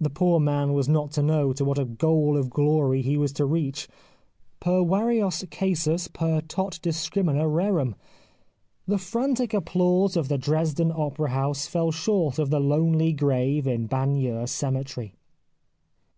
The poor man was not to know to what a goal of glory he was to reach, per varios casus per tot discrimina rerum. The frantic applause of the Dresden Opera house fell short of the lonely grave in Bagneux cemetery.